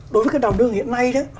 đối với các đào nương hiện nay đó